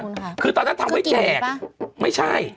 คือเมื่อก่อนตั้งทำไว้แจกไม่ใช่